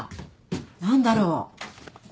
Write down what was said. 何だろう？